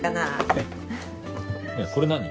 へっねえこれ何？